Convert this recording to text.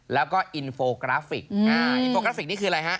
แล้วก็อินโฟกราฟิกอินโฟกราฟิกนี่คืออะไรฮะ